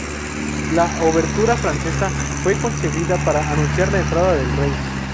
La obertura francesa fue concebida para anunciar la entrada del rey.